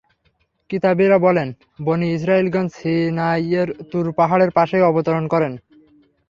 কিতাবীরা বলেন, বনী ইসরাঈলগণ সিনাইয়ের তূর পাহাড়ের পাশেই অবতরণ করেন।